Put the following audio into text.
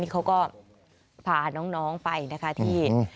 เขาก็พาน้องไปนะคะที่